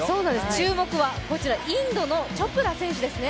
注目はインドのチョプラ選手ですね。